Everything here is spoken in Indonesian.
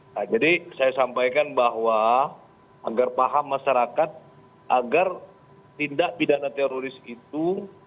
nah jadi saya sampaikan bahwa agar paham masyarakat agar tindak pidana teroris itu